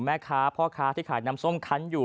แม่ค้าพ่อค้าที่ขายน้ำส้มคันอยู่